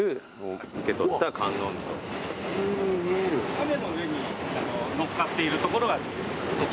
亀の上にのっかっているところが特徴的。